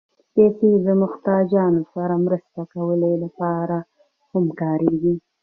پېسې د محتاجانو سره مرسته کولو لپاره هم کارېږي.